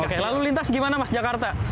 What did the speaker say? oke lalu lintas gimana mas jakarta